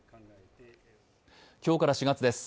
今日から４月です。